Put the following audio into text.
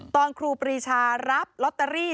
ครูปรีชารับลอตเตอรี่